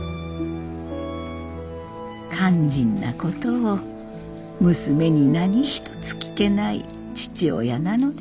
肝心なことを娘に何一つ聞けない父親なのでした。